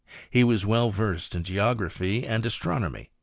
He was well versed in geography and kstronomy.